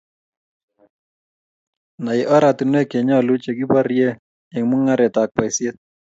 Nai oratinwek chenyolu che kiboree eng mung'aret ak boishet